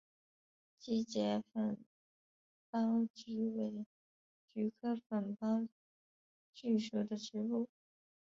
基节粉苞菊为菊科粉苞苣属的植物。